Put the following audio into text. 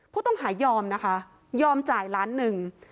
ผู้ต้องหายอมนะคะยอมจ่ายล้านหนึ่ง